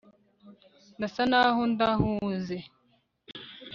ndasa naho ndahuze